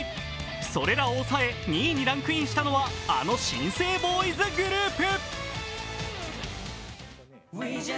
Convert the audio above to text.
それらを抑え２位にランクインしたのは、あの新生ボーイズグループ。